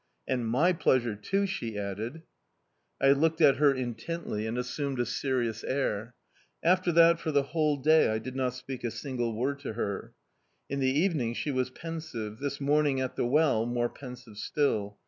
"And my pleasure, too," she added. I looked at her intently and assumed a serious air. After that for the whole day I did not speak a single word to her... In the evening, she was pensive; this morning, at the well, more pensive still.